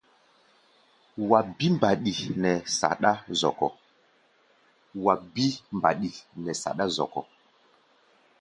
Wa bí mbaɗi nɛ saɗá zɔkɔ́.